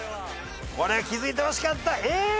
これは気付いてほしかった。